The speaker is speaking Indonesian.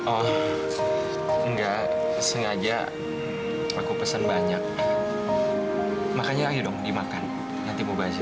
oh nggak sengaja aku pesen banyak makannya aja dong dimakan nanti mau bahas ya